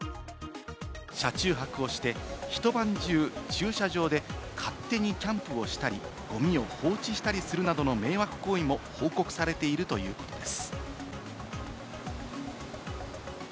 車中泊をして、一晩中、駐車場で勝手にキャンプをしたり、ゴミを放置したりするなどの迷惑行為も報告されているということです。